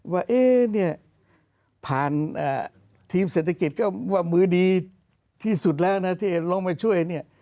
ว่าเนี่ยผ่านทีมเศรษฐกิจก็ว่ามือดีที่สุดแล้วนะที่ลงไปช่วยเนี่ย